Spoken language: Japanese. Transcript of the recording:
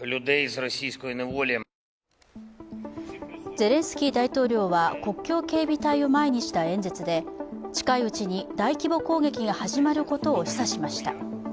ゼレンスキー大統領は国境警備隊を前にした演説で近いうちに大規模攻撃が始まることを示唆しました。